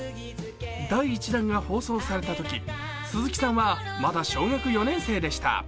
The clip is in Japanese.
第１弾が放送されたとき、鈴木さんはまだ小学４年生でした。